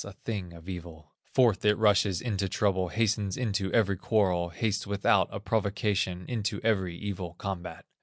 a thing of evil; Forth it rushes into trouble, Hastens into every quarrel, Hastes without a provocation Into every evil combat.